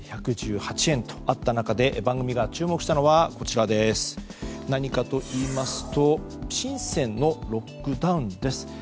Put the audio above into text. １１８円とあった中で番組が注目したのは何かといいますとシンセンのロックダウンです。